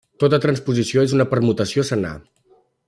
Tota transposició és una permutació senar.